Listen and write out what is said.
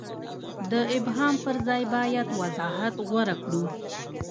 د ابهام پر ځای باید وضاحت غوره کړو.